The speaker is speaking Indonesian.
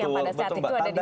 yang pada saat itu ada di